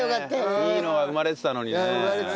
いいのが生まれてたのにね。